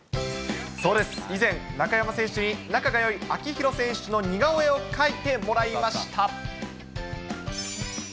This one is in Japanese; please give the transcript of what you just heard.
そうです、以前、中山選手に仲がよい秋広選手の描いてもらいました。